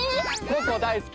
僕も大好き！